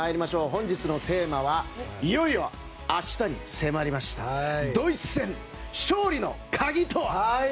本日のテーマはいよいよ明日に迫りましたドイツ戦勝利の鍵とは？